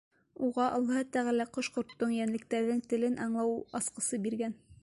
Уға Аллаһы Тәғәлә ҡош-ҡорттоң, йәнлектәрҙең телен аңлау асҡысы биргән.